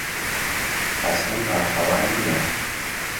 حەسەن باخەوان نییە.